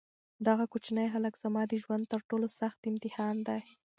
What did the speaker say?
دغه کوچنی هلک زما د ژوند تر ټولو سخت امتحان دی.